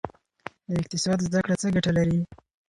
د اقتصاد زده کړه څه ګټه لري؟